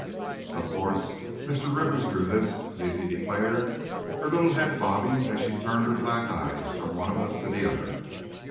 "Of course, Mr. Rivers drew this," Zizi declared, her little head bobbing as she turned her black eyes from one of us to the other.